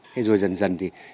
thế rồi dần dần